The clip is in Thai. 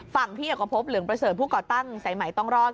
ฝั่งพี่เอกพบเหลืองประเสริฐผู้ก่อตั้งสายใหม่ต้องรอด